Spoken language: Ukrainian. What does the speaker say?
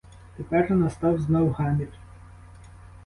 Тепер настав знов гамір.